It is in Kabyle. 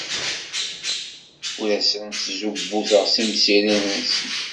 Ur asen-ttzubuteɣ timsirin-nsen.